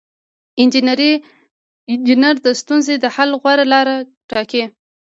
انجینر د ستونزې د حل غوره لاره ټاکي.